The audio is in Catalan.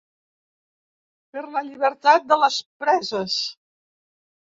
Per la llibertat de les preses.